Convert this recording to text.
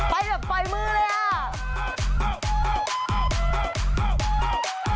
ไปแบบปล่อยมือเลยอ่ะ